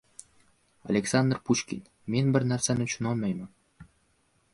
Aleksandr Pushkin. Men bir narsani tushunolmayman: